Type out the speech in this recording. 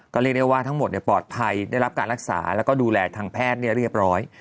ก็เรียกได้ว่าทั้งหมดปลอดภัยได้รับการรักษาแล้วก็ดูแลทางแพทย์เรียบร้อย